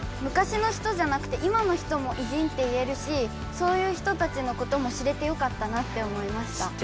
むかしの人じゃなくて今の人も偉人って言えるしそういう人たちのことも知れてよかったなって思いました。